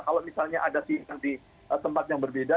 kalau misalnya ada sidang di tempat yang berbeda